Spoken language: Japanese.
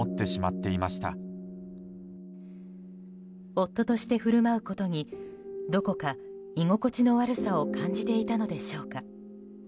夫として振る舞うことにどこか居心地の悪さを感じていたのでしょうか。